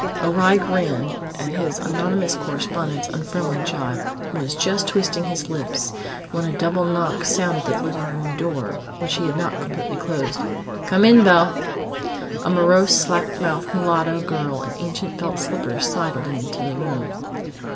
A wry grin at his anonymous correspondent's unfriendly gibe was just twisting his lips when a double knock sounded on the living room door, which he had not completely closed. "Come in, Belle!" A morose, slack mouthed mulatto girl in ancient felt slippers sidled into the room.